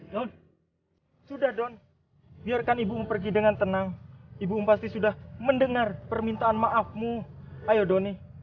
doh sudah don biarkan ibumu pergi dengan tenang ibu umpasti sudah mendengar permintaan maafmu ayo doni